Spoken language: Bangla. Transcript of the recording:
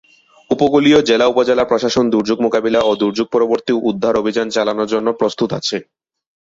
উপকূলীয় জেলা-উপজেলা প্রশাসন দুর্যোগ মোকাবিলা ও দুর্যোগ-পরবর্তী উদ্ধার অভিযান চালানোর জন্য প্রস্তুত আছে।